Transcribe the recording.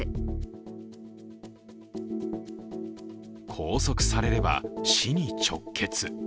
拘束されれば、死に直結。